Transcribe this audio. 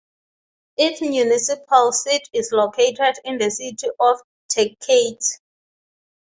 Its municipal seat is located in the city of Tecate.